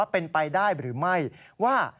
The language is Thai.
เป็นไปได้หรือไม่ว่า